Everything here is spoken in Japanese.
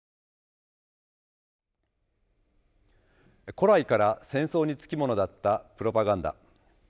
古来から戦争に付き物だったプロパガンダ。